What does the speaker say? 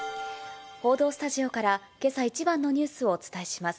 報道スタジオからけさ一番のニュースをお伝えします。